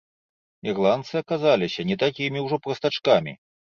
Ірландцы аказаліся не такімі ўжо прастачкамі.